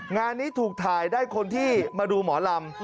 งานนี้ถูกถ่ายได้คนที่มาดูหมอลำ